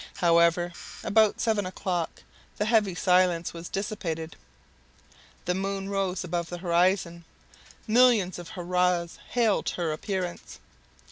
However, about seven o'clock, the heavy silence was dissipated. The moon rose above the horizon. Millions of hurrahs hailed her appearance.